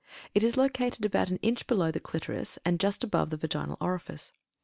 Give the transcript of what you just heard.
It is located about an inch below the Clitoris and is just above the Vaginal Orifice.